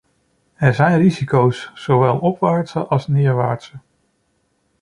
Er zijn risico's, zowel opwaartse als neerwaartse.